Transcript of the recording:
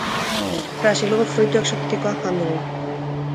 Brasilgo fruitu exotikoa jan dugu.